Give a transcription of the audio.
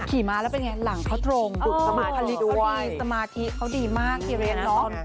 ขี่ม้าแล้วเป็นยังไงหลังเขาตรงสมาธิเขาดีมากเกียรติร้อง